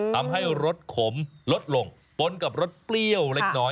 รสขมลดลงปนกับรสเปรี้ยวเล็กน้อย